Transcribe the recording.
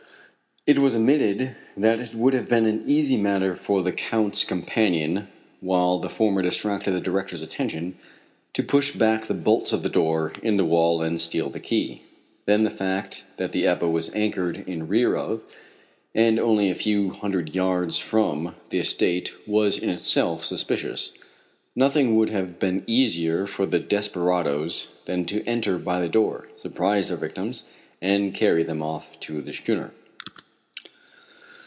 It was admitted that it would have been an easy matter for the Count's companion, while the former distracted the director's attention, to push back the bolts of the door in the wall and steal the key. Then the fact that the Ebba was anchored in rear of, and only a few hundred yards from, the estate, was in itself suspicious. Nothing would have been easier for the desperadoes than to enter by the door, surprise their victims, and carry them off to the schooner.